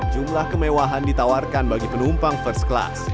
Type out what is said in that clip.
jumlah kemewahan ditawarkan bagi penumpang first class